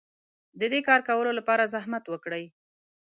د دې کار کولو لپاره زحمت وکړئ.